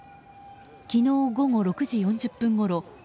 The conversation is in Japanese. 昨日午後６時４０分ごろ